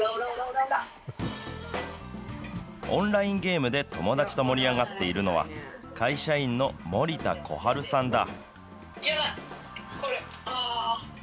オンラインゲームで友達と盛り上がっているのは、会社員の森田小春さんだ。